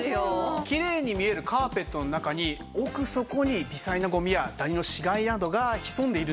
キレイに見えるカーペットの中に奥底に微細なゴミやダニの死骸などが潜んでいるんです。